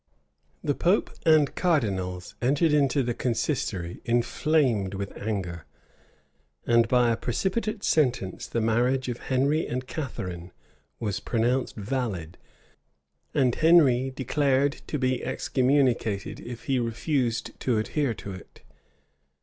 The pope and cardinals entered into the consistory inflamed with anger; and by a precipitate sentence the marriage of Henry and Catharine was pronounced valid, and Henry declared to be excommunicated if he refused to adhere to it.